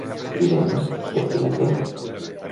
Hisenda, per qui l'entenga.